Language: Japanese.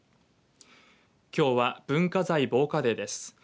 きょうは文化財防火デーです。